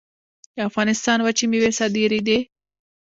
د افغانستان وچې میوې صادرېدې